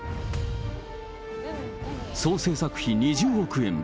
総製作費２０億円。